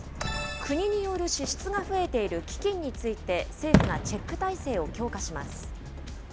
国による支出が増えている基金について政府がチェック体制を強化